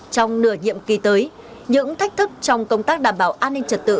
trong nửa nhiệm kỳ tới những thách thức trong công tác đảm bảo an ninh trật tự